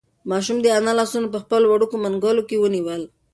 ماشوم د انا لاسونه په خپلو وړوکو منگولو کې ونیول.